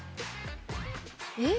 えっ。